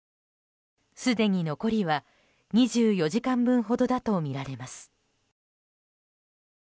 すでに残りは２４時間分ほどだとみられます。